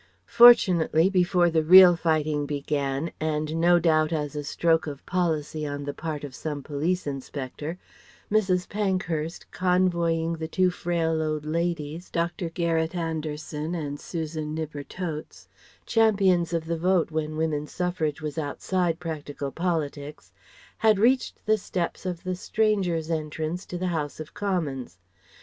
Fortunately before the real fighting began, and no doubt as a stroke of policy on the part of some Police Inspector, Mrs. Pankhurst convoying the two frail old ladies Dr. Garret Anderson and Susan Knipper Totes champions of the Vote when Woman Suffrage was outside practical politics had reached the steps of the Strangers' entrance to the House of Commons.